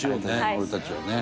俺たちはね。